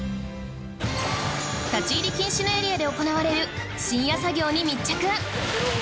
立ち入り禁止のエリアで行われる深夜作業に密着